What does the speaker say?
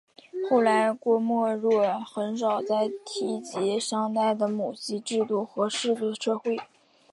后来郭沫若很少再提及商代的母系制度和氏族社会。